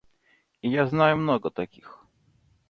И я знаю много таких.